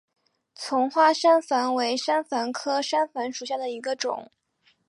丛花山矾为山矾科山矾属下的一个种。